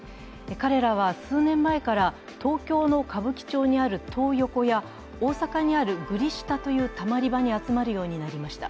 彼らは数年前から、東京の歌舞伎町にあるトー横や大阪にあるグリ下というたまり場に集まるようになりました。